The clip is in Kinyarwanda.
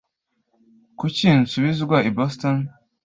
Kuki nsubizwa i Boston?